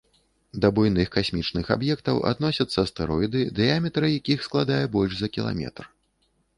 Да буйных касмічных аб'ектаў адносяцца астэроіды, дыяметр якіх складае больш за кіламетр.